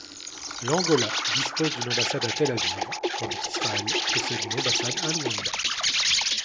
L'Angola dispose d'une ambassade à Tel Aviv, tandis qu'Israël possède une ambassade à Luanda.